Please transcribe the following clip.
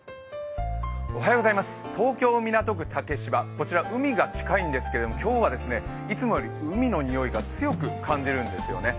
東京・港区竹芝、こちら、海が近いんですけれども今日はいつもより海のにおいを強く感じるんですよね。